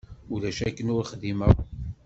Ulac akken ur xdimeɣ.